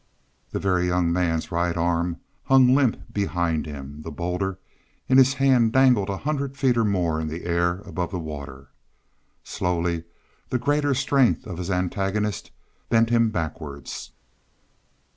The Very Young Man's right arm hung limp behind him; the boulder in his hand dangled a hundred feet or more in the air above the water. Slowly the greater strength of his antagonist bent him backwards.